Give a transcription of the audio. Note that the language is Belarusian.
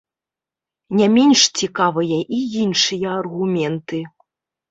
Не менш цікавыя і іншыя аргументы.